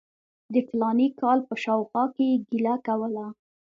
د فلاني کال په شاوخوا کې یې ګیله کوله.